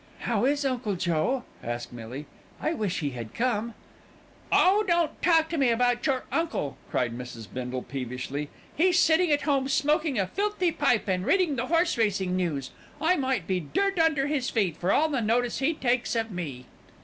"How is Uncle Joe?" asked Millie. "I wish he had come." "Oh! don't talk to me about your uncle," cried Mrs. Bindle peevishly. "He's sitting at home smoking a filthy pipe and reading the horse racing news. I might be dirt under his feet for all the notice he takes of me."